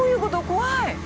怖い！